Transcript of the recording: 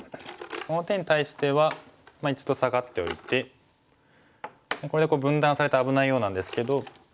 この手に対しては一度サガっておいてこれで分断されて危ないようなんですけど。